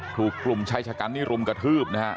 ถูกกลุ่มชายชะกันนี่รุมกระทืบนะฮะ